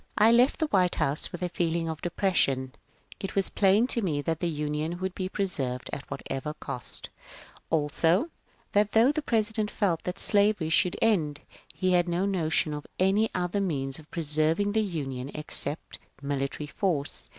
I left the White House with a feeling of depression. It DINNER IN BOSTON 847 was plain to me that the Union would be preserved at what ever cost ; also, that though the President felt that slavery should end, he had no notion of any other means of preserv ing the Union except military force.